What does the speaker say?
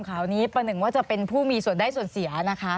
ข่าวนี้ประหนึ่งว่าจะเป็นผู้มีส่วนได้ส่วนเสียนะคะ